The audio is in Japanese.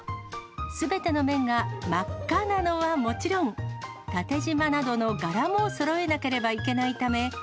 すべての面が真っ赤なのはもちろん、縦じまなどの柄もそろえなければいけないため。